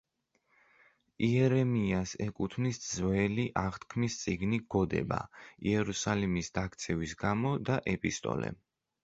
იერემიას ეკუთვნის ძველი აღთქმის წიგნი „გოდება“ იერუსალიმის დაქცევის გამო და ეპისტოლე.